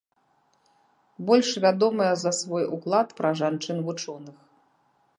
Больш вядомая за свой уклад пра жанчын-вучоных.